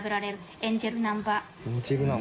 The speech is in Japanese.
エンジェルナンバーふん。